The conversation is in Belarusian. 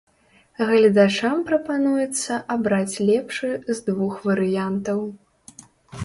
Гледачам прапануецца абраць лепшы з двух варыянтаў.